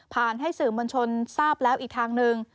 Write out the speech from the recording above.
ให้สื่อมวลชนทราบแล้วอีกทางหนึ่ง